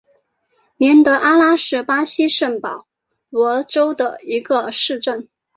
年德阿拉是巴西圣保罗州的一个市镇。